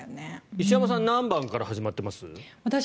石山さんは何番から始まってます？